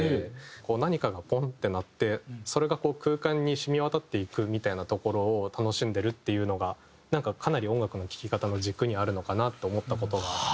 何かがポンって鳴ってそれが空間に染み渡っていくみたいなところを楽しんでるっていうのがなんかかなり音楽の聴き方の軸にあるのかなって思った事があって。